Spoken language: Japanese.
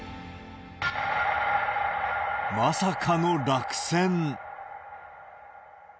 まさかの落選。